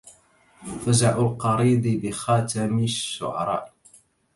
فجع القريض بخاتم الشعراء